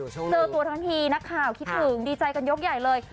เจอตัวทั้งทีนักข่าวคิดถึงดีใจกันยกใหญ่เลย